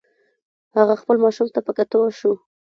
هغه خپل ماشوم ته په کتو شو.